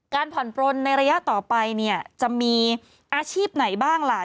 การผ่อนปลนในระยะต่อไปเนี่ยจะมีอาชีพไหนบ้างล่ะ